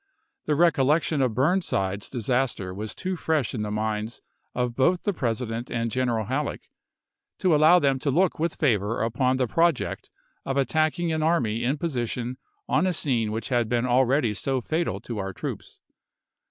The recollection of Burnside's disaster was too fresh in the minds of both the President and General Hal leck to allow them to look with favor upon the pro ject of attacking an army in position on a scene which had been already so fatal to our troops.